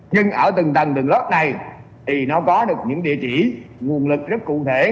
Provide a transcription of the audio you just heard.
nhưng ở từng tầng đường lớp này thì nó có được những địa chỉ nguồn lực rất cụ thể